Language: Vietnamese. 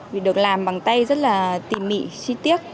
vì được làm bằng tay rất là tỉ mỉ chi tiết